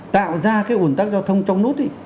tạo ra cái ủn tắc giao thông trong nút